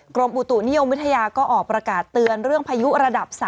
กรมอุตุนิยมวิทยาก็ออกประกาศเตือนเรื่องพายุระดับ๓